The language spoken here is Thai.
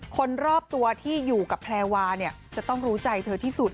คนรอบตัวที่อยู่กับแพลวาเนี่ยจะต้องรู้ใจเธอที่สุด